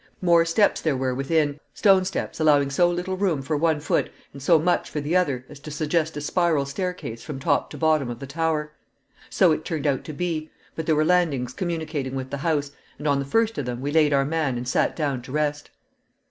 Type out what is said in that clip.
More steps there were within, stone steps allowing so little room for one foot and so much for the other as to suggest a spiral staircase from top to bottom of the tower. So it turned out to be; but there were landings communicating with the house, and on the first of them we laid our man and sat down to rest.